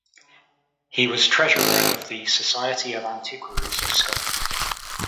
He was Treasurer of the Society of Antiquaries of Scotland.